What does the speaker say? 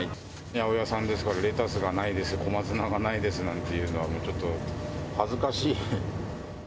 八百屋さんですから、レタスがないです、小松菜がないですなんていうのはちょっと恥ずかしい。